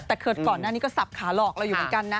แต่ก่อนหน้านี้ก็สับขาหลอกเราอยู่เหมือนกันนะ